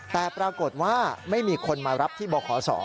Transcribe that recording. แต่ปรากฏว่าไม่มีคนมารับที่บขศ